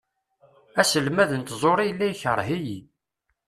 Aselmad n tẓuri yella ikreh-iyi.